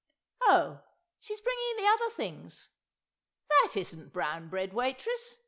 Oh, she is bringing the other things! That isn't brown bread, waitress!